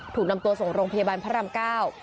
ถูกนำตัวส่งโรงพยาบาลพระรามเก้า